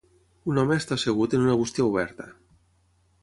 Un home està assegut en una bústia oberta.